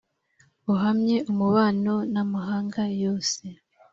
Uhamye umubano n'amahanga yose